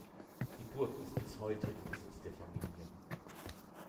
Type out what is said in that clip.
Die Burg ist bis heute im Besitz der Familie.